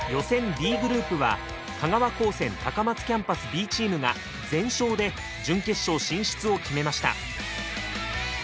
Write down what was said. Ｄグループは香川高専高松キャンパスＢチームが全勝で準決勝進出を決めました。